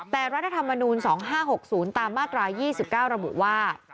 แต่รัฐธรรมนูล๒๕๖๐ตามมาตรา๒๙ระบุว่า